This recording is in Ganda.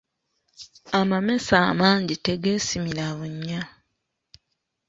Amamese amangi tegeesimira bunnya.